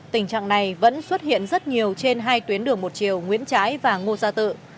tình trạng này vẫn xuất hiện rất nhiều trên hai tuyến đường một chiều nguyễn trái và ngô gia tự